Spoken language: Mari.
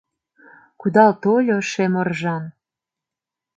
Кудал тольо шем оржан